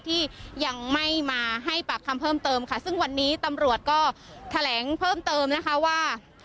ที่ยังไม่มาให้ปากคำเพิ่มเติมค่ะซึ่งวันนี้ตำรวจก็แถลงเพิ่มเติมนะคะว่า